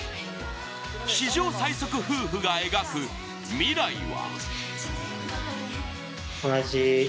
史上最速夫婦が描く未来は？